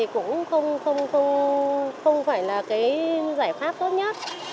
công an việc làm thì cũng không phải là cái giải pháp tốt nhất